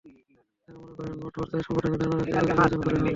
তাঁরা মনে করেন, মাঠপর্যায়ে সংগঠন ধরে রাখতে এককভাবে নির্বাচন করাই ভালো।